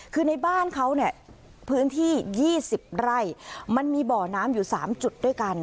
คือในบ้านเขาเนี่ยพื้นที่๒๐ไร่มันมีบ่อน้ำอยู่๓จุดด้วยกัน